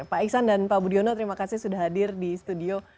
pak iksan dan pak budiono terima kasih sudah hadir di studio